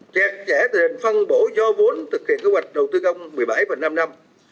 chặt chẽ tình hình phân bổ do vốn thực hiện kế hoạch đầu tư công một mươi bảy và năm năm